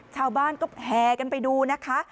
ชาวบ้านก็แห่กันไปดูนะคะ